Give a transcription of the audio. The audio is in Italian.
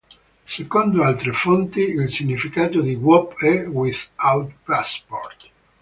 Secondo altre fonti, il significato di "Wop" è "With-Out-Passport".